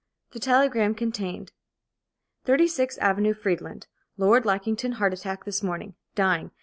The telegram contained: "Thirty six Avenue Friedland. Lord Lackington heart attack this morning. Dying.